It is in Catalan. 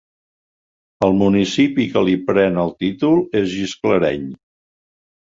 El municipi que li pren el títol és Gisclareny.